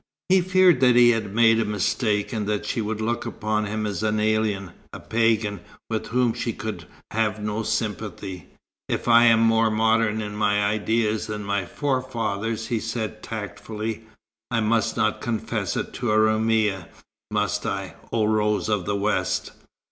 He feared that he had made a mistake, and that she would look upon him as an alien, a pagan, with whom she could have no sympathy. "If I am more modern in my ideas than my forefathers," he said tactfully, "I must not confess it to a Roumia, must I, oh Rose of the West?